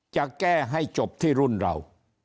จะแก้ให้จบที่รุ่นเรา